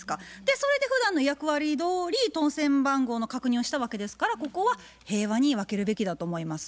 それでふだんの役割どおり当せん番号の確認をしたわけですからここは平和に分けるべきだと思います。